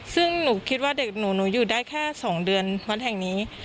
ซึ่งหนูคิดว่าเด็กหนูอยู่ได้แค่๒เดือนวัดแห่งนี้